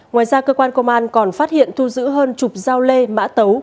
ngoài ra cơ quan công an còn phát hiện thu giữ hơn chục giao lê mã tấu